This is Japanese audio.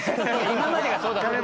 今までがそうだったからね。